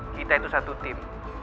kita itu satu tim